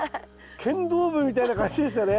剣道部みたいな感じでしたね。